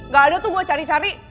gak ada tuh gue cari cari